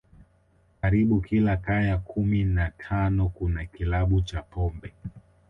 Karibu kila kaya kumi na tano kuna kilabu cha pombe